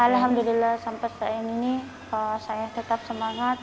alhamdulillah sampai saat ini saya tetap semangat